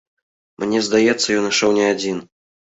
Мне здаецца, ён ішоў не адзін.